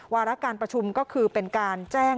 วาระการประชุมก็คือเป็นการแจ้ง